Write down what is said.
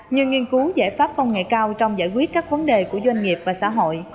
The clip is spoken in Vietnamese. như nghiên cứu giải pháp công nghệ cao trong giải quyết các vấn đề của doanh nghiệp và xã hội